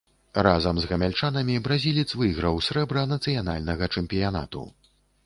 Разам з гамяльчанамі бразілец выйграў срэбра нацыянальнага чэмпіянату.